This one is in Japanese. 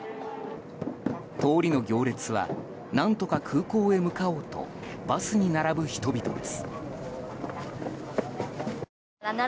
通りの行列は何とか空港へ向かおうとバスに並ぶ人々です。